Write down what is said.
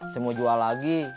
saya mau jual lagi